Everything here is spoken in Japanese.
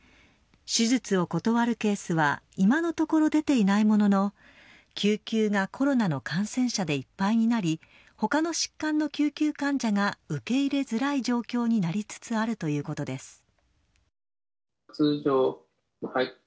手術を断るケースは今のところ出ていないものの救急がコロナの感染者でいっぱいになり他の疾患の救急患者が受け入れづらい状況になりつつあるということです。